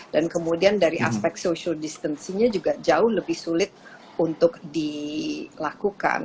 dan kemudian dari aspek social distancingnya juga jauh lebih sulit untuk dilakukan